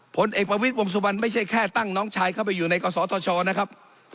ผลเอกประวิทย์วงสุวรรณไม่ใช่แค่ตั้งน้องชายเข้าไปอยู่ในกศธชนะครับ